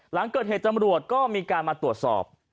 หลังเกิดเหตุตำรวจก็มีการมาตรวจสอบ